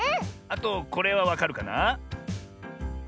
あとこれはわかるかな？